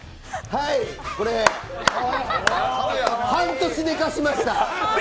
これ、半年寝かせました。